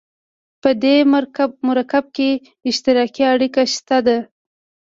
په دې مرکب کې اشتراکي اړیکه شته ده.